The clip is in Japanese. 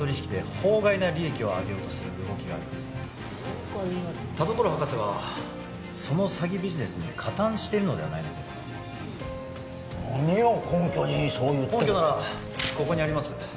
法外な利益田所博士はその詐欺ビジネスに加担しているのではないのですか何を根拠にそう言ってる根拠ならここにあります